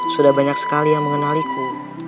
sudah banyak sekali yang mengenaliku